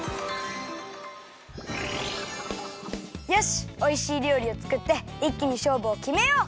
よしおいしいりょうりをつくっていっきにしょうぶをきめよう。